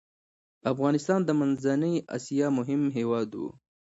افغانستان د منځنی اسیا مهم هیواد و.